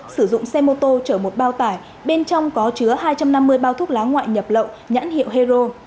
sử dụng xe mô tô chở một bao tải bên trong có chứa hai trăm năm mươi bao thuốc lá ngoại nhập lậu nhãn hiệu hero